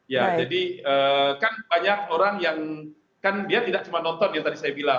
ya jadi kan banyak orang yang kan dia tidak cuma nonton yang tadi saya bilang